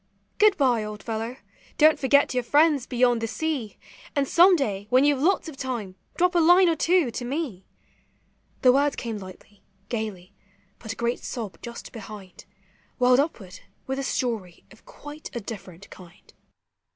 "Good bye, old fellow! don't forget your friends boy on d the sea, And some day, when you 've lots of time, drop a line or two to me." The words came lightly, gayly, but a great sob, just behind. Welled upward with a story of quite a ditTerent kind.